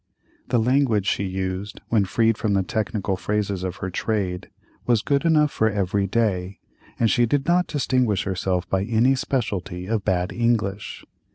The language she used, when freed from the technical phrases of her trade, was good enough for every day, and she did not distinguish herself by any specialty of bad English.